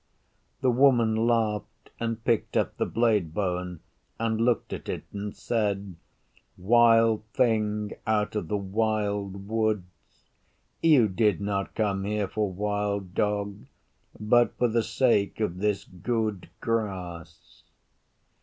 The Woman laughed, and picked up the blade bone and looked at it, and said, 'Wild Thing out of the Wild Woods, you did not come here for Wild Dog, but for the sake of this good grass.